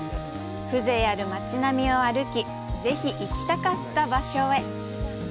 風情ある町並みを歩きぜひ行きたかった場所へ。